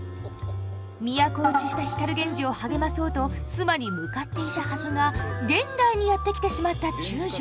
都落ちした光源氏を励まそうと須磨に向かっていたはずが現代にやって来てしまった中将。